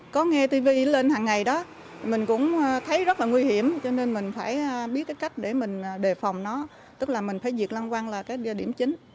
có nghe tivi lên hằng ngày đó mình cũng thấy rất là nguy hiểm cho nên mình phải biết cách để mình đề phòng nó tức là mình phải diệt long quăng là điểm chính